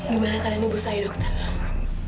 gimana kalian memusahi dokter